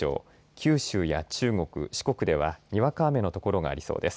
九州や中国、四国ではにわか雨の所がありそうです。